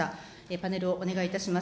パネルをお願いいたします。